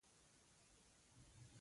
خوب د فکري سړېدو لپاره وسیله ده